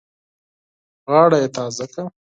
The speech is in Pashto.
غاړه یې تازه کړه.